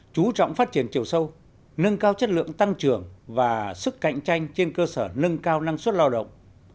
chú trọng phát triển chiều sâu nâng cao chất lượng tăng trưởng và sức cạnh tranh trên cơ sở nâng cao năng suất lao động